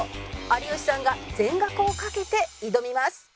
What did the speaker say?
有吉さんが全額を賭けて挑みます